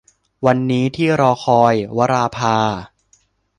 วันนี้ที่รอคอย - วราภา